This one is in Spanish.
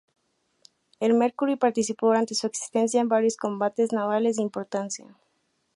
El "Mercury" participó durante su existencia en varios combates navales de importancia.